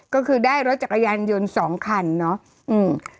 ก็คือได้รถจักรยานยนต์๒คันเนอะ